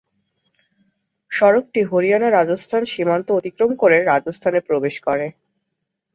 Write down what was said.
সড়কটি হরিয়ানা-রাজস্থান সীমান্ত অতিক্রম করে রাজস্থানে প্রবেশ করে।